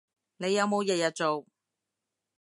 你有冇日日做